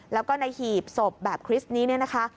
แล้วก็ในหีบศพแบบคริสต์นี้เนี่ยนะคะ